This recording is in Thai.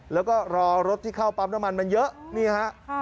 แล้วก็รอรถที่เข้าปั๊มน้ำมันมันเยอะนี่ฮะ